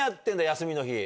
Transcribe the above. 休みの日。